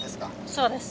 そうです。